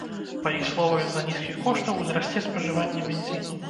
Па іх словах, з-за нізкіх коштаў узрасце спажыванне бензіну.